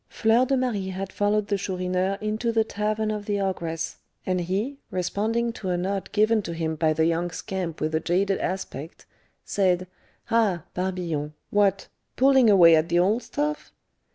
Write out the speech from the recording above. Fleur de Marie had followed the Chourineur into the tavern of the ogress, and he, responding to a nod given to him by the young scamp with the jaded aspect, said, "Ah, Barbillon! what, pulling away at the old stuff?"